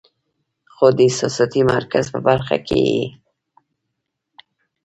خو د احساساتي مرکز پۀ برخه کې ئې